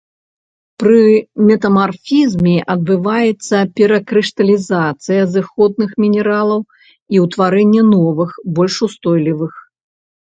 Пры метамарфізме адбываецца перакрышталізацыя зыходных мінералаў і ўтварэнне новых, больш устойлівых.